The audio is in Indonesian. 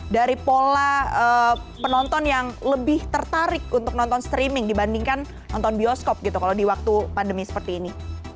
dari pola penonton yang lebih tertarik untuk nonton streaming dibandingkan nonton bioskop gitu kalau di waktu pandemi seperti ini